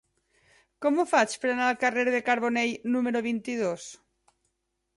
Com ho faig per anar al carrer de Carbonell número vint-i-dos?